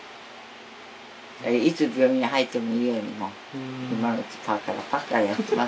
いつ病院に入ってもいいようにもう今のうちにパッパカパッパカやってます。